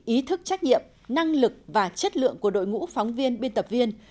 ý thức trách nhiệm năng lực và chất lượng của đội ngũ phóng viên biên tập viên